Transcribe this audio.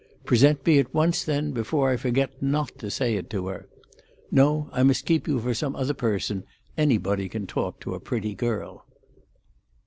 "Present me at once, then, before I forget not to say it to her." "No; I must keep you for some other person: anybody can talk to a pretty girl."